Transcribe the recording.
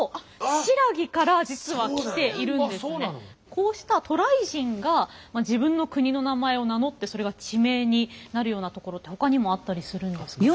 こうした渡来人が自分の国の名前を名乗ってそれが地名になるような所ってほかにもあったりするんですかね？